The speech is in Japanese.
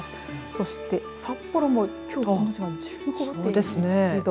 そして札幌もきょうが１５．１度。